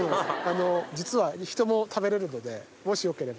実は人も食べれるのでもしよければ。